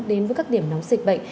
đến với các điểm nóng dịch bệnh